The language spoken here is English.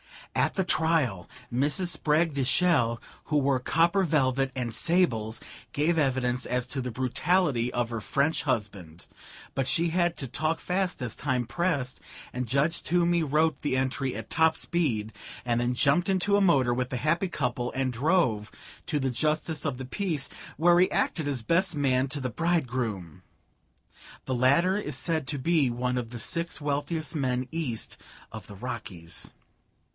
"'At the trial Mrs. Spragg de Chelles, who wore copper velvet and sables, gave evidence as to the brutality of her French husband, but she had to talk fast as time pressed, and Judge Toomey wrote the entry at top speed, and then jumped into a motor with the happy couple and drove to the Justice of the Peace, where he acted as best man to the bridegroom. The latter is said to be one of the six wealthiest men east of the Rockies.